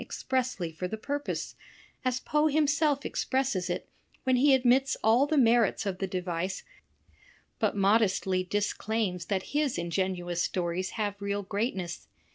expressly for the purpose, as Poe himself expresses it when ^[^^ he admits all the merits of the device, but modestly dis claims that his ingenious stories have real greatness.